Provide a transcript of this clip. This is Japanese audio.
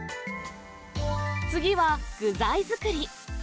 次は具材作り。